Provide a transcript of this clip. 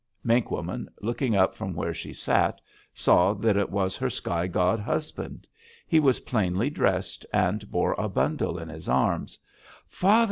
Mink Woman, looking up from where she sat, saw that it was her sky god husband. He was plainly dressed, and bore a bundle in his arms: 'Father!'